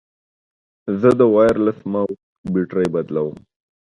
زه د وایرلیس ماؤس بیټرۍ بدلوم.